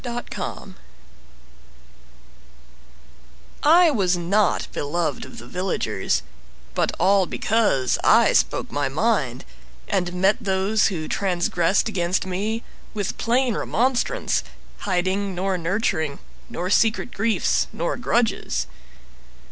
Dorcas Gustine I was not beloved of the villagers, But all because I spoke my mind, And met those who transgressed against me With plain remonstrance, hiding nor nurturing Nor secret griefs nor grudges.